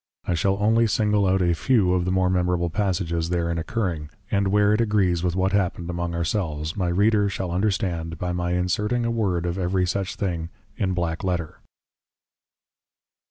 I shall only single out a few of the more Memorable passages therein Occurring; and where it agrees with what happened among ourselves, my Reader shall understand, by my inserting a Word of every such thing in \Black Letter\.